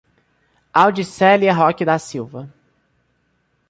Audicelia Roque da Silva